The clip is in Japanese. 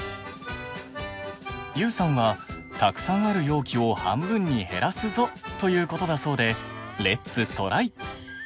ＹＯＵさんは「たくさんある容器を半分に減らすぞ」ということだそうでレッツトライ！